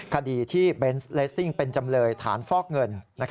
คดีที่เบนส์เลสซิ่งเป็นจำเลยฐานฟอกเงิน